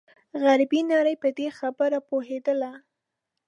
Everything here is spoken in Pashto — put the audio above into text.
غربي نړۍ په دې خبره پوهېدله.